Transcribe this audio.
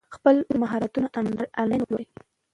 خپل مهارتونه انلاین وپلورئ.